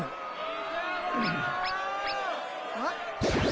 あっ？